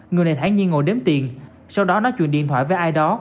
người này thản nhiên ngồi đếm tiền sau đó nói chuyện điện thoại với ai đó